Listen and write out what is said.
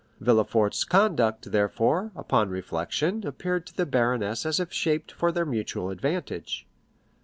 Villefort's conduct, therefore, upon reflection, appeared to the baroness as if shaped for their mutual advantage.